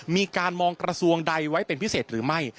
มีการมองกระทรวงใดไว้เป็นพิเศษหรือไม่